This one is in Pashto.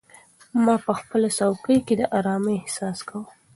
ما په خپله څوکۍ کې د ارامۍ احساس کاوه.